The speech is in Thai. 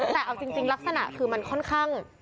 แต่เอาจริงลักษณะคือมันค่อนข้าง